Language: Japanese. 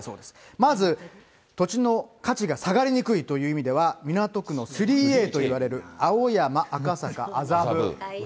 まず土地の価値が下がりにくいといわれているのが、港区の３Ａといわれる、青山、赤坂、麻布。